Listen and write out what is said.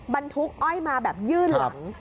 บรรทุกอ้อยมาแบบยื่นหลัง